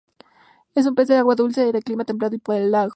Es un pez de agua dulce, de clima templado y pelágico.